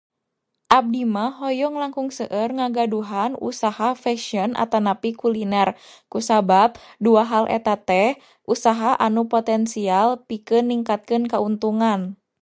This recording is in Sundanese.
Abdi mah hoyong langkung seueur ngagaduhan usaha fesyen atanapi kuliner, kusabab dua hal etateh usaha anu potensial pikeun ningkatkeun kauntungan.